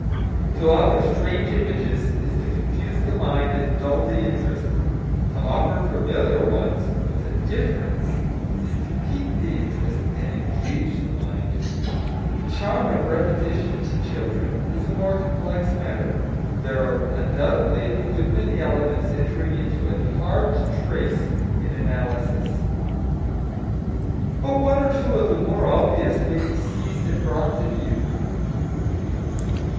To offer strange images is to confuse the mind and dull the interest; to offer familiar ones "with a difference" is to pique the interest and engage the mind. The charm of repetition, to children, is a more complex matter; there are undoubtedly a good many elements entering into it, hard to trace in analysis. But one or two of the more obvious may be seized and brought to view.